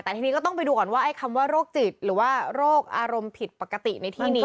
แต่ทีนี้ก็ต้องไปดูก่อนว่าไอ้คำว่าโรคจิตหรือว่าโรคอารมณ์ผิดปกติในที่นี้